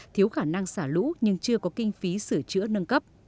thiếu khả năng xả lũ nhưng chưa có kinh phí sửa chữa nâng cấp